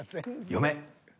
嫁。